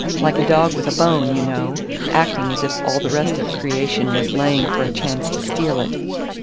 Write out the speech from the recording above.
Like a dog with a bone, you know, acting as if all the rest of creation was laying for a chance to steal it.